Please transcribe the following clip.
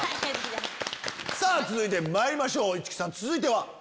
さぁ続いてまいりましょう市來さん続いては？